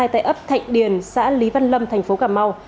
tại ấp thạnh điền xã lý văn lâm thành phố cà mau